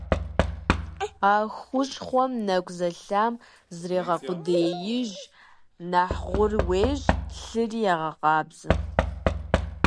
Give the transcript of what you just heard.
А хущхъуэм нэкӀу зэлъахэм зрегъэукъуэдииж, нэхъ гъур уещӀ, лъыри егъэкъабзэ.